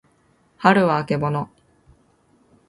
はるはあけぼの